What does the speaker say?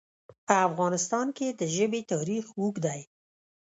په افغانستان کې د ژبې تاریخ اوږد دی.